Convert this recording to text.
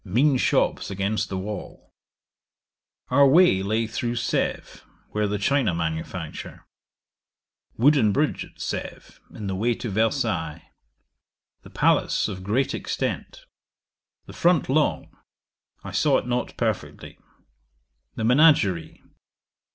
Mean shops against the wall. Our way lay through Sêve, where the China manufacture. Wooden bridge at Sêve, in the way to Versailles. The palace of great extent. The front long; I saw it not perfectly. The Menagerie.